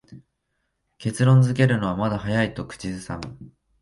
結論づけるのはまだ早いと口をはさむ